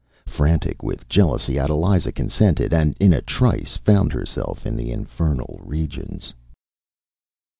Frantic with jealousy, Adeliza consented, and in a trice found herself in the infernal regions.